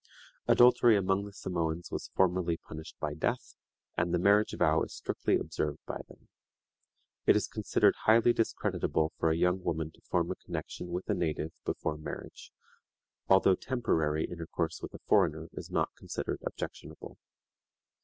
Adultery among the Samoans was formerly punished by death, and the marriage vow is strictly observed by them. It is considered highly discreditable for a young woman to form a connection with a native before marriage, although temporary intercourse with a foreigner is not considered objectionable.